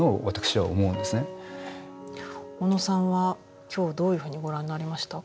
小野さんは今日どういうふうにご覧になりました？